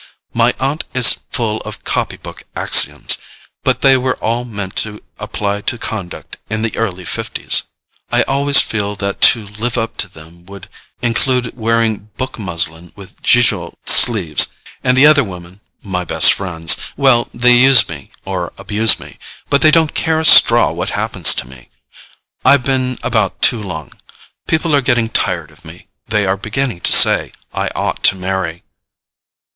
"My aunt is full of copy book axioms, but they were all meant to apply to conduct in the early fifties. I always feel that to live up to them would include wearing book muslin with gigot sleeves. And the other women—my best friends—well, they use me or abuse me; but they don't care a straw what happens to me. I've been about too long—people are getting tired of me; they are beginning to say I ought to marry."